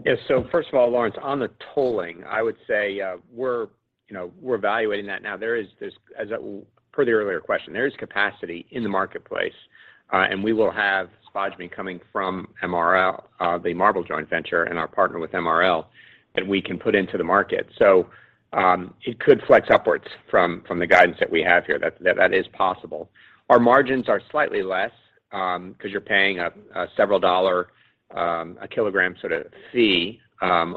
Yeah. First of all, Laurence, on the tolling, I would say, you know, we're evaluating that now. There is, as per the earlier question, there is capacity in the marketplace, and we will have spodumene coming from MRL, the MARBL joint venture and our partner with MRL that we can put into the market. It could flex upwards from the guidance that we have here. That is possible. Our margins are slightly less, 'cause you're paying a several-dollar-a-kilogram sort of fee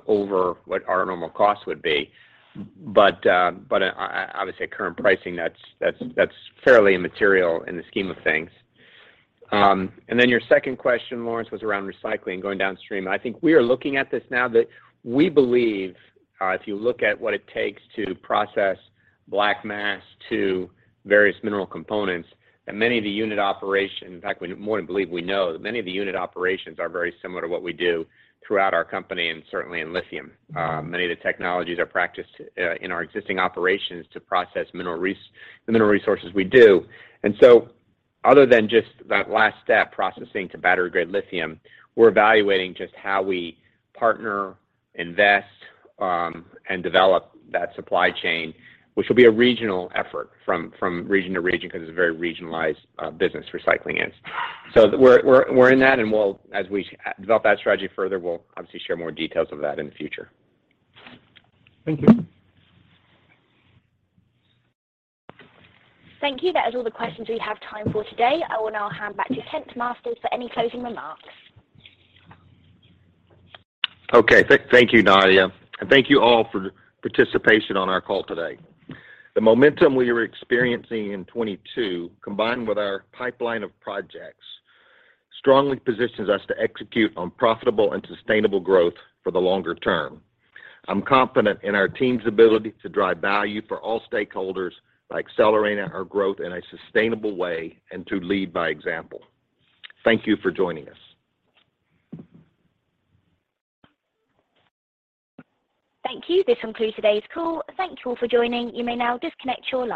over what our normal cost would be. But obviously at current pricing, that's fairly immaterial in the scheme of things. And then your second question, Laurence, was around recycling, going downstream. I think we are looking at this now that we believe, if you look at what it takes to process black mass to various mineral components, that many of the unit operations, in fact, we more than believe we know, that many of the unit operations are very similar to what we do throughout our company and certainly in lithium. Many of the technologies are practiced in our existing operations to process the mineral resources we do. Other than just that last step, processing to battery-grade lithium, we're evaluating just how we partner, invest, and develop that supply chain, which will be a regional effort from region to region because it's a very regionalized business, recycling is. We're in that, and we'll... As we develop that strategy further, we'll obviously share more details of that in the future. Thank you. Thank you. That is all the questions we have time for today. I will now hand back to Kent Masters for any closing remarks. Okay. Thank you, Nadia. Thank you all for the participation on our call today. The momentum we are experiencing in 2022, combined with our pipeline of projects, strongly positions us to execute on profitable and sustainable growth for the longer term. I'm confident in our team's ability to drive value for all stakeholders by accelerating our growth in a sustainable way and to lead by example. Thank you for joining us. Thank you. This concludes today's call. Thank you all for joining. You may now disconnect your lines.